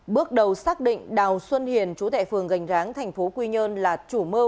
bước đầu xác định đào xuân hiền chú tệ phường gành ráng tp hcm là chủ mơ